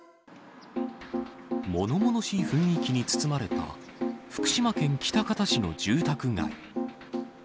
ものものしい雰囲気に包まれた、福島県喜多方市の住宅街。